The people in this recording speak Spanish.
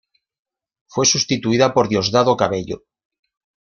Fue sustituida por Diosdado Cabello.